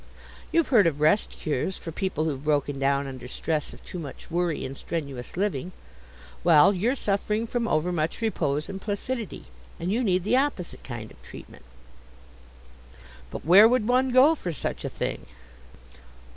"You've heard of Rest cures for people who've broken down under stress of too much worry and strenuous living; well, you're suffering from overmuch repose and placidity, and you need the opposite kind of treatment." "But where would one go for such a thing?"